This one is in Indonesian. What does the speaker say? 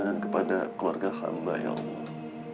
dan kepada keluarga hamba ya allah